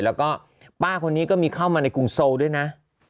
แล้วก็ป้าคนนี้ก็มีเข้ามาในกรุงโซลด้วยนะ